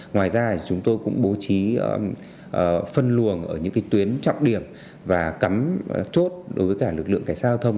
ngoài ra chúng tôi cũng bố trí phân luồng ở những tuyến trọng điểm và cắm chốt đối với cả lực lượng cảnh sát giao thông